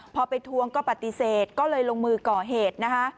พอไปทวงก็ปฏิเสธก็เลยลงมือก่อเหตุนะคะ